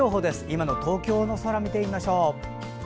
今の東京の空を見てみましょう。